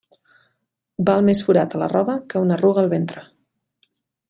Val més forat a la roba que una arruga al ventre.